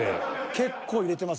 結構入れてます。